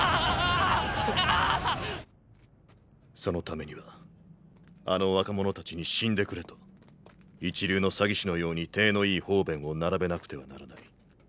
そのためにはあの若者たちに死んでくれと一流の詐欺師のように体のいい方便を並べなくてはならない。